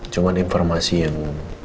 cuman informasi yang